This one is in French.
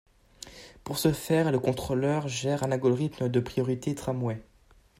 Pour ce faire, le contrôleur gère un algorithme de priorité tramway.